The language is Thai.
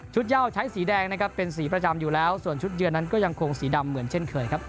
ย่าวใช้สีแดงนะครับเป็นสีประจำอยู่แล้วส่วนชุดเยือนนั้นก็ยังคงสีดำเหมือนเช่นเคยครับ